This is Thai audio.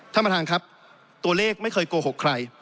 ถ้ามาทางครับตัวเลขไม่เคยโกหกใคร